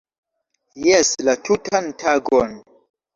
Jes! - La tutan tagon